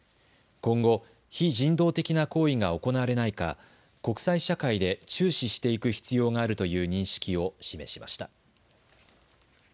今後、非人道的な行為が行われないか国際社会で注視していく必要があるという認識を示しました。